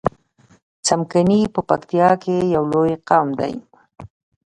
څمکني په پکتیا کی یو لوی قوم دی